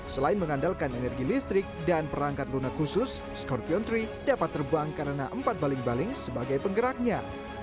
selain mengandalkan energi listrik dan perangkat lunak khusus scorpion tiga dapat terbang karena empat baling baling sebagai penggeraknya